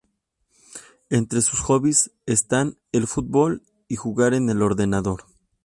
Entre sus hobbies están el fútbol y jugar en el ordenador.